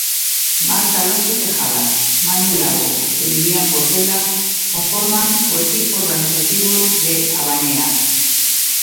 Marta Alonso Tejada, Manu Lago e Lilian Portela conforman o equipo organizativo de Abanea.